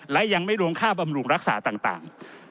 และยังไม่รวมค่าบำรุงรักษาต่าง